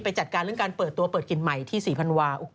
จัดการเรื่องการเปิดตัวเปิดกินใหม่ที่ศรีพันวา